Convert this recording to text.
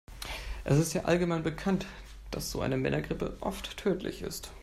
Es ist ja allgemein bekannt, dass so eine Männergrippe oft tödlich ist.